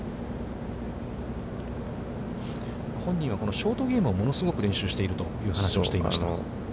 本人はこのショートゲームを物すごく練習をしているという話をしていました。